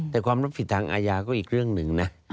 แต่ความรับผิดทางอาญาก็อีกเรื่องหนึ่งนะ